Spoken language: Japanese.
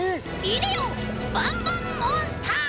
いでよバンバンモンスター！